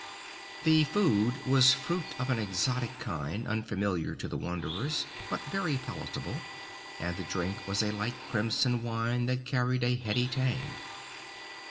The food was fruit of an exotic kind unfamiliar to the wanderers, but very palatable, and the drink was a light crimson wine that carried a heady tang.